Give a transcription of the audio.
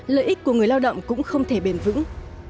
lợi ích của người lao động cũng không thể bền vững